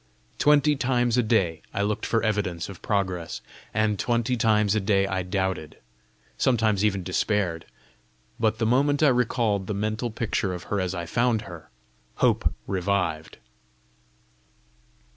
Twenty times a day I looked for evidence of progress, and twenty times a day I doubted sometimes even despaired; but the moment I recalled the mental picture of her as I found her, hope revived.